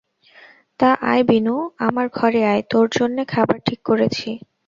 তা আয় বিনু, আমার ঘরে আয়, তোর জন্যে খাবার ঠিক করেছি।